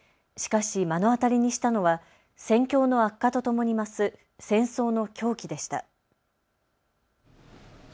しかし目の当たりにしたのは戦況の悪化とともに増す戦争の狂気でした。